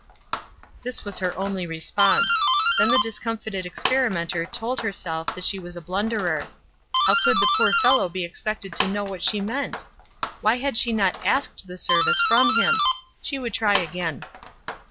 This was her only response. Then the discomfited experimenter told herself that she was a blunderer. How could the poor fellow be expected to know what she meant? Why had she not asked the service from him? She would try again.